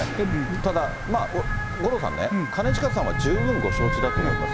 ただ、五郎さんね、兼近さんは十分ご承知だと思います。